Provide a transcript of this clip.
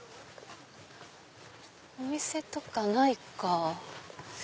お店とかないか。